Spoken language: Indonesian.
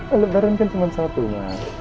alebaran kan cuma satu mak